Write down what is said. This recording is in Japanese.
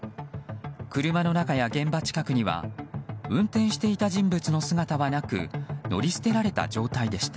車の中や現場近くには運転していた人物の姿はなく乗り捨てられた状態でした。